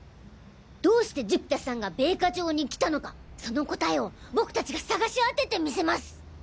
どうして寿飛太さんが米花町に来たのかその答えを僕達が探しあててみせます！